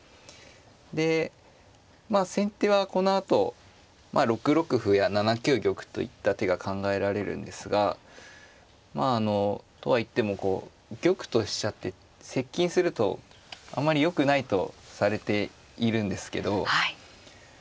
でまあ先手はこのあと６六歩や７九玉といった手が考えられるんですがとはいっても玉と飛車って接近するとあまりよくないとされているんですけどま